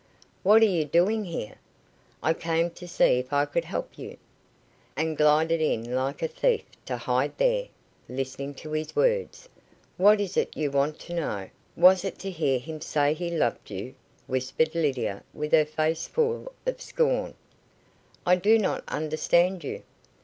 "What are you doing here?" "I came to see if I could help you." "And glided in like a thief, to hide there, listening to his words. What is it you want to know? Was it to hear him say he loved you?" whispered Lydia, with her face full of scorn. "I do not understand you."